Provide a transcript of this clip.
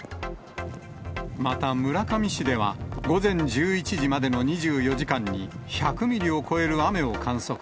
また村上市では、午前１１時までの２４時間に、１００ミリを超える雨を観測。